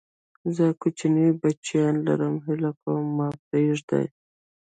زه کوچني بچيان لرم، هيله کوم ما پرېږدئ!